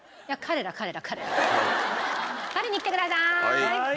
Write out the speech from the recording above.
はい。